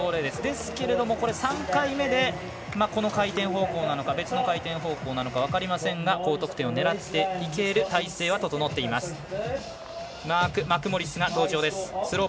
ですけれども３回目でこの回転方向なのか別の回転方向なのか分かりませんが高得点を狙っていける体勢は整っています。